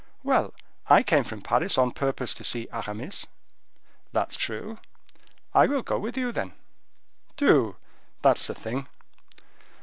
"Well! I came from Paris on purpose to see Aramis." "That's true." "I will go with you then." "Do; that's the thing."